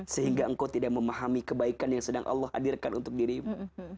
sehingga engkau tidak memahami kebaikan yang sedang allah hadirkan untuk dirimu